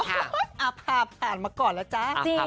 อภาพฝาไปแล้วก่อนแล้วจ้ะ